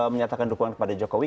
menyatakan dukungan kepada jokowi